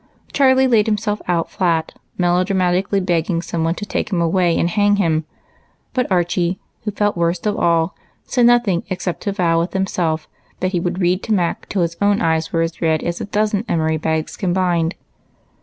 Charlie laid himself out flat, melodramatically begging some one to take him away and hang him ; but Archie, who felt worst of all, said nothing except to vow within himself that he would read to Mac till his own eyes were as red as a dozen emery bags combined.